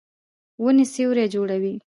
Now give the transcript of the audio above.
ونې سیوری جوړوي